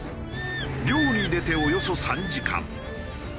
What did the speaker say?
漁に出ておよそ３時間。